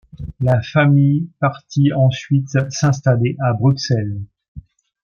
La famille partit ensuite s'installer à Bruxelles.